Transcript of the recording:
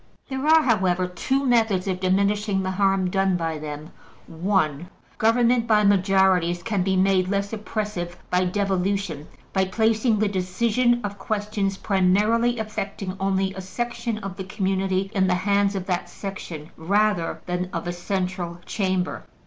There are, however, two methods of diminishing the harm done by them: (1) Government by majorities can be made less oppressive by devolution, by placing the decision of questions primarily affecting only a section of the community in the hands of that section, rather than of a Central Chamber.